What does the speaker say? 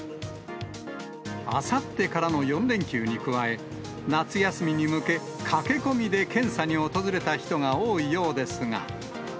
あさってからの４連休に加え、夏休みに向け、駆け込みで検査に訪れた人が多いようですが。